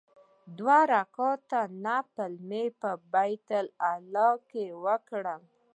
دوه رکعاته نفل مې په بیت الله کې وکړ.